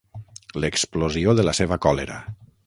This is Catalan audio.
L'explosió de la seva còlera.